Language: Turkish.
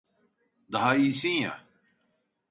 Daha iyisin ya?